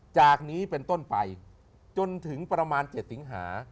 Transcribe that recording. จากนี้เป็นต้นไปจนถึงประมาณ๗สิงหา